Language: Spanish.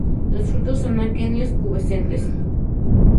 Los frutos son aquenios pubescentes.